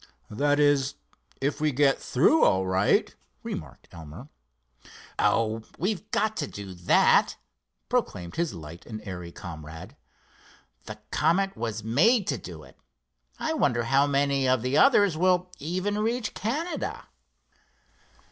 "That is, if we get through all right," remarked Elmer. "Oh, we've got to do that," proclaimed his light and airy comrade. "The Comet was made to do it. I wonder how many of the others will even reach Canada?"